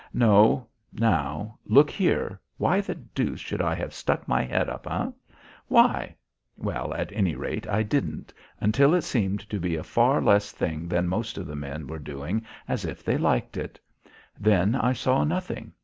No, now, look here, why the deuce should I have stuck my head up, eh? Why? Well, at any rate, I didn't until it seemed to be a far less thing than most of the men were doing as if they liked it. Then I saw nothing.